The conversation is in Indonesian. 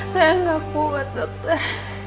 saya gak kuat dokter